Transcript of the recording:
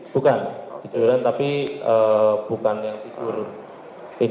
tiduran tapi bukan yang tidur